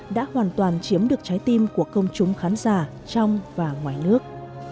đã hoàn toàn chiếm được trái tim của công chúng khán giả trong và ngoài nước